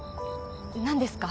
何ですか？